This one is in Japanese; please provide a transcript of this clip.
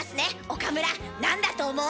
岡村何だと思う？